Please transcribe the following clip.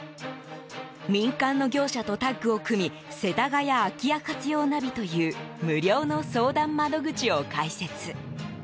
民間の業者とタッグを組みせたがや空き家活用ナビという無料の相談窓口を開設。